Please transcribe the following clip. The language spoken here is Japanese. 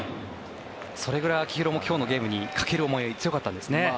それぐらい秋広も今日のゲームにかける思い強かったんですね。